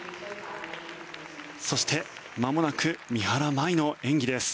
そして、まもなく三原舞依の演技です。